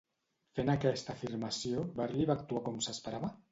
Fent aquesta afirmació, Barley va actuar com s'esperava?